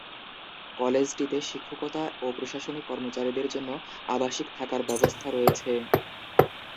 কলেজটিতে শিক্ষকতা ও প্রশাসনিক কর্মচারীদের জন্য আবাসিক থাকার ব্যবস্থা রয়েছে।